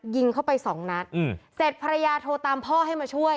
ยิงเข้าไปสองนัดเสร็จภรรยาโทรตามพ่อให้มาช่วย